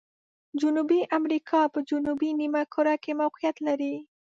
جنوبي امریکا په جنوبي نیمه کره کې موقعیت لري.